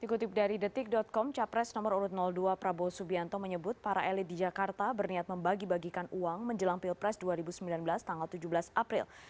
dikutip dari detik com capres nomor urut dua prabowo subianto menyebut para elit di jakarta berniat membagi bagikan uang menjelang pilpres dua ribu sembilan belas tanggal tujuh belas april